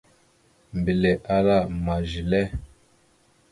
Mbelle ahala: « Ma zelle? ».